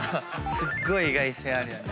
すっごい意外性あるよね。